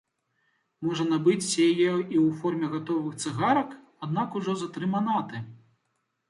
Можна набыць яе і ў форме гатовых цыгарак, аднак ужо за тры манаты.